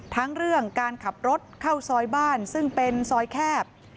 ทั้งเรื่องการขับรถเข้าซอยบ้านซึ่งเป็นซอยแคบ